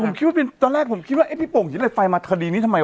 เมื่อกี้ให้ใหม่ขอดูอีกที